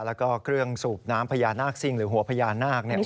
แล้วก็เครื่องสูบน้ำพญานาคซิ่งหรือหัวพญานาคเนี่ย